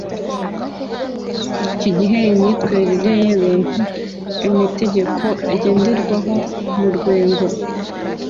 kigehe imyitwerire y’ebentu emetegeko ngenderweho mu muryengo.